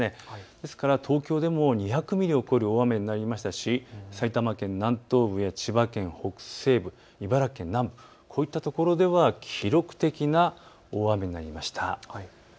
ですから東京でも２００ミリを超える大雨になりましたし埼玉県南東部や千葉県北西部、茨城県南部、こういった所では記録的な大雨になりました。